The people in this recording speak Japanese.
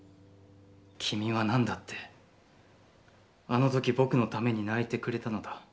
君は何だって、あの時僕のために泣いてくれたのだ。